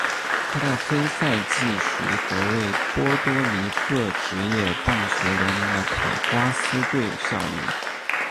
他在非赛季时则为波多黎各职业棒球联盟的卡瓜斯队效力。